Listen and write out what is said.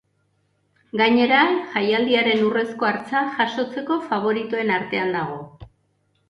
Gainera, jaialdiaren urrezko hartza jasotzeko faboritoen artean dago.